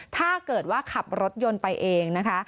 ถ้าเกิดว่าขับรถยนต์ไปเองนะคะ